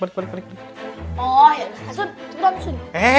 oh ya sudah sudah sudah